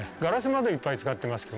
窓いっぱい使ってますけど